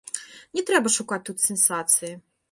Не трэба шукаць тут сенсацыі.